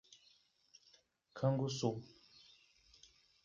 Canguçu